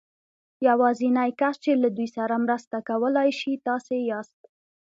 يوازېنی کس چې له دوی سره مرسته کولای شي تاسې ياست.